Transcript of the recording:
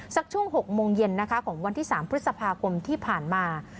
ช่วง๖โมงเย็นนะคะของวันที่๓พฤษภาคมที่ผ่านมา